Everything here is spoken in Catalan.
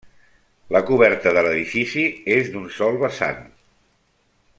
La coberta de l'edifici és d'un sol vessant.